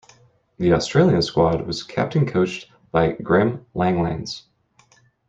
The Australian squad was captain-coached by Graeme Langlands.